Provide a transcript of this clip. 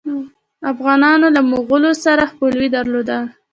افغانانو له مغولو سره خپلوي درلودله.